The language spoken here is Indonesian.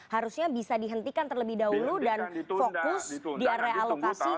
harusnya bisa dihentikan terlebih dahulu dan fokus di area alokasi